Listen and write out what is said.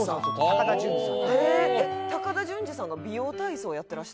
高田純次さんが美容体操やってらしたんですか？